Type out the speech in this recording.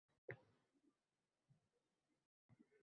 Bugun uch nafar kosmonavtni skafandrlarsiz nafas olishini sinab ko`rdik